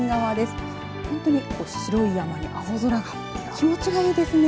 気持ちがいいですよね。